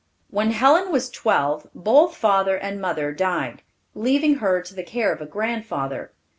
When Helen was twelve, both father and mother died, leaving her to the care of a grandfather.